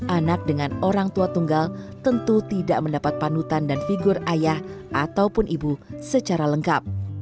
anak dengan orang tua tunggal tentu tidak mendapat panutan dan figur ayah ataupun ibu secara lengkap